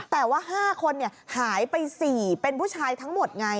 แต่ว่า๕คนหายไป๔เป็นผู้ชายทั้งหมดไง